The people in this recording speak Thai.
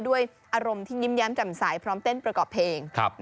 ด้วยอารมณ์ที่ยิ้มแย้มจำสายพร้อมเต้นประกอบเพลง